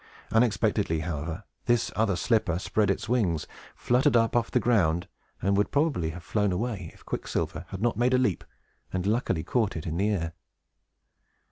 Unexpectedly, however, this other slipper spread its wings, fluttered up off the ground, and would probably have flown away, if Quicksilver had not made a leap, and luckily caught it in the air.